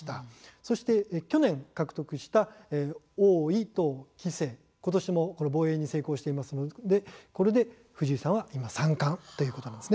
そして去年、獲得した王位と棋聖ことしも防衛に成功していますのでこれで藤井さんは今三冠ということです。